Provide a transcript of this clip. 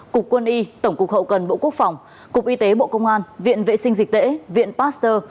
cục quân y tổng cục hậu cần bộ quốc phòng cục y tế bộ công an viện vệ sinh dịch tễ viện pasteur